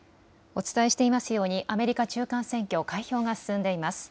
お伝えしていますようにアメリカ中間選挙、開票が進んでいます。